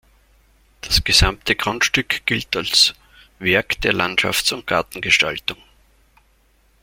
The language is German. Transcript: Das gesamte Grundstück gilt als "Werk der Landschafts- und Gartengestaltung".